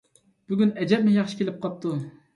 بۈگۈن ئەجەبمۇ ياخشى كېلىپ قاپتۇ.